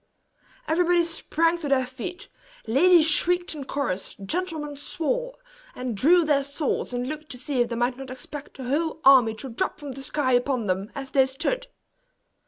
Everybody sprang to their feet ladies shrieked in chorus, gentlemen swore and drew their swords, and looked to see if they might not expect a whole army to drop from the sky upon them, as they stood.